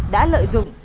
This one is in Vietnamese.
đã lợi dụng